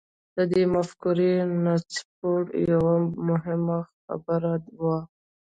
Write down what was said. د دې مفکورې نچوړ يوه مهمه خبره وه.